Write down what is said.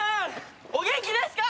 お元気ですか！？